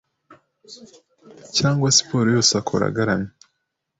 cyangwa siporo yose akora agaramye